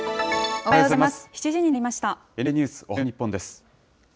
おはようございます。